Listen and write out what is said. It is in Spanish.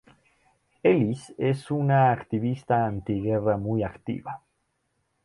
Ellis es una activista anti-guerra muy activa.